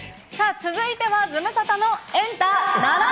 続いてはズムサタのエンタ７３４。